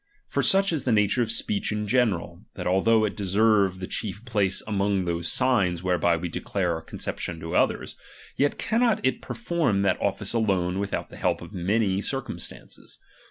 For such is the nature of speech in general, that although it deserve the chief place among those signs whereby we declare our con ceptions to others, yet cannot it perform that office alone without the help of many circum stances.